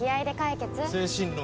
精神論